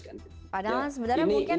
padahal sebenarnya mungkin